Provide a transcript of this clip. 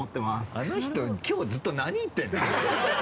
あの人きょうずっと何言ってるんだ？